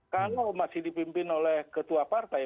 kalau masih dipimpin oleh ketua partai